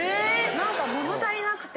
なんか物足りなくて。